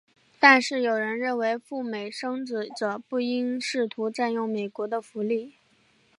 但是有人认为赴美生子者不应试图占用美国的福利。